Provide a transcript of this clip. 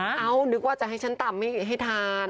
เอ้านึกว่าจะให้ฉันตำให้ทาน